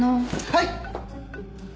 はい！